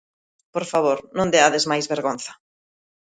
Por favor, non deades máis vergonza.